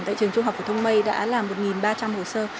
tại trường trung học phổ thông may đã là một ba trăm linh hồ sơ